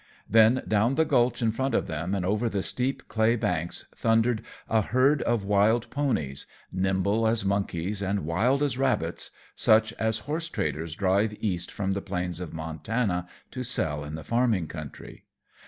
Then down the gulch in front of them and over the steep clay banks thundered a herd of wild ponies, nimble as monkeys and wild as rabbits, such as horse traders drive east from the plains of Montana to sell in the farming country.